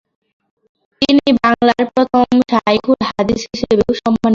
তিনি বাংলার প্রথম শায়খুল হাদিস হিসেবেও সম্মানিত হন।